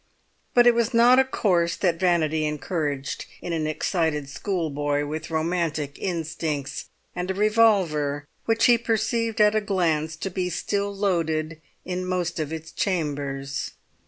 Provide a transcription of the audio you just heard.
But it was not a course that vanity encouraged in an excited schoolboy with romantic instincts and a revolver which he perceived at a glance to be still loaded in most of its chambers.